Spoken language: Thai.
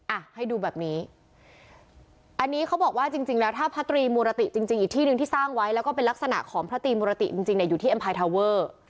อ่ะให้ดูแบบนี้อันนี้เขาบอกว่าจริงจริงแล้วถ้าพระตรีมูรติจริงจริงอีกที่หนึ่งที่สร้างไว้แล้วก็เป็นลักษณะของพระตรีมุรติจริงจริงเนี่ยอยู่ที่เอ็มไพรทาเวอร์